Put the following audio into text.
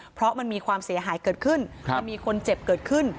เพราะมันมีความเสียหายเกิดขึ้นมันมีคนเจ็บเกิดขึ้น